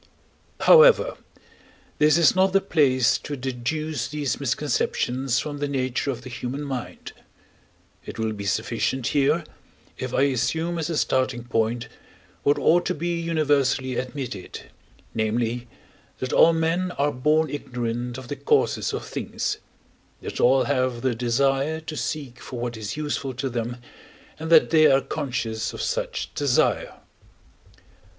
However, this is not the place to deduce these misconceptions from the nature of the human mind: it will be sufficient here, if I assume as a starting point, what ought to be universally admitted, namely, that all men are born ignorant of the causes of things, that all have the desire to seek for what is useful to them, and that they are conscious of such desire.